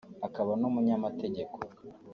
akaba n’umunyamategeko